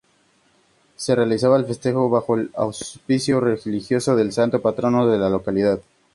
Se realizaba el festejo bajo el auspicio religioso del santo patrono de la localidad.